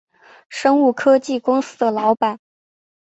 生物科技公司的老板